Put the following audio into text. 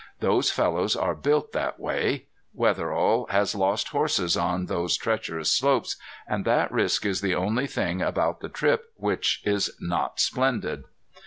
Those fellows are built that way. Wetherill has lost horses on those treacherous slopes, and that risk is the only thing about the trip which is not splendid.